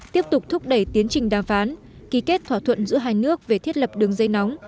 tiếp tục thúc đẩy tiến trình đàm phán ký kết thỏa thuận giữa hai nước về thiết lập đường dây nóng